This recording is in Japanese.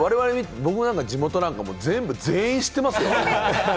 僕なんか地元なんで、全員知ってますよ。